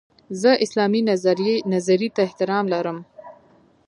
زه اسلامي نظرې ته احترام لرم.